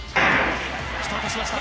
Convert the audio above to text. スタートしました。